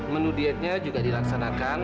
menu dietnya juga dilaksanakan